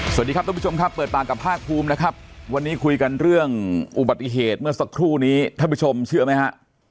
สวัสดีครับทุกผู้ชมครับเปิดปากกับภาคภูมินะครับวันนี้คุยกันเรื่องอุบัติเหตุเมื่อสักครู่นี้ท่านผู้ชมเชื่อไหมฮะ